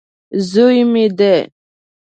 زوی مې دی.